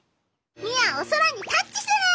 ミアおそらにタッチする！